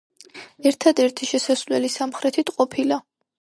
ერთადერთი შესასვლელი სამხრეთით ყოფილა.